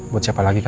buat siapa lagi kan